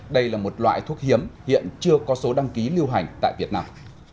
đây là một loại thuốc hiếm hiện chưa có số đăng ký lưu hành tại việt nam